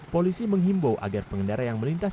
polisi menghimbau agar pengendara yang melintas